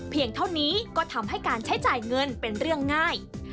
เท่านี้ก็ทำให้การใช้จ่ายเงินเป็นเรื่องง่าย